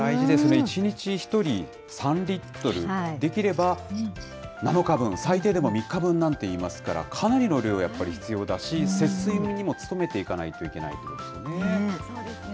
１日１人３リットル、できれば７日分、最低でも３日分なんていいますから、かなりの量、やっぱり必要だし、節水にも努めていかないといけないということですよね。